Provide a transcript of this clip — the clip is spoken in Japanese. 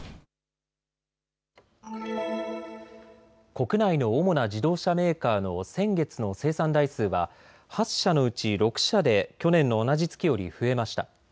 国内の主な自動車メーカーの先月の生産台数は８社のうち６社で去年の同じ月より増えました。